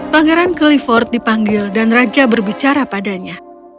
pangeran clifford dipanggil dan raja berbicara padanya